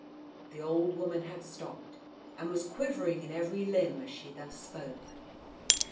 The old woman had stopped, and was quivering in every limb as she thus spoke.